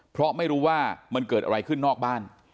เพราะไม่รู้ว่ามันเกิดอะไรขึ้นนอกบ้าน